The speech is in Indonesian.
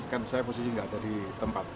kan saya posisi tidak ada di tempat